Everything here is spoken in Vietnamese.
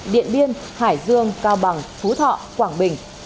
điện biên hải dương cao bằng phú thọ quảng bình